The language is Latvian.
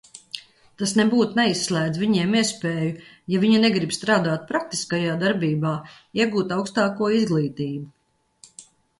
Tas nebūt neizslēdz viņiem iespēju, ja viņi negrib strādāt praktiskajā darbībā, iegūt augstāko izglītību.